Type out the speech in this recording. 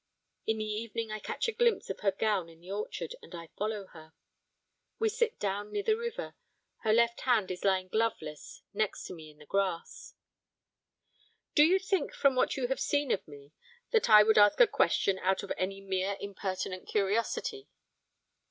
In the evening I catch a glimpse of her gown in the orchard, and I follow her. We sit down near the river. Her left hand is lying gloveless next to me in the grass. 'Do you think from what you have seen of me, that I would ask a question out of any mere impertinent curiosity?'